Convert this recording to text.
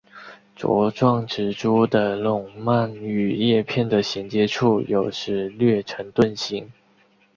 茁壮植株的笼蔓与叶片的衔接处有时略呈盾形。